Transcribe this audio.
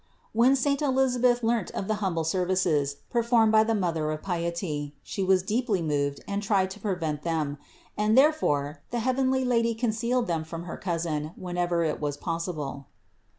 When saint Elisabeth learnt of the humble services, performed by the Mother of piety, She was deeply moved and tried to prevent them; and therefore the heavenly Lady concealed them from her cousin wherever it was possible.